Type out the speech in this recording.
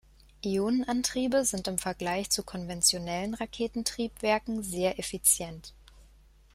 Ionenantriebe sind im Vergleich zu konventionellen Raketentriebwerken sehr effizient.